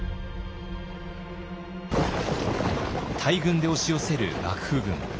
大軍で押し寄せる幕府軍。